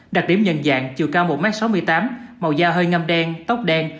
đặc điểm nhận dạng chiều cao một m sáu mươi tám màu da hơi ngâm đen tóc đen